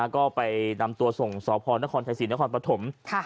ก็ไปนำตัวส่งสภนครไทยศิลป์นครปฐม